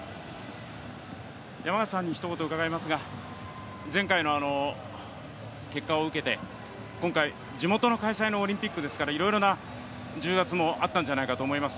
山縣さんにひと言伺いますが前回の結果を受けて今回、地元開催のオリンピックですからいろいろな重圧もあったんじゃないかと思います。